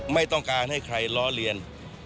ไม่ต้องการให้ใครล้อเลียน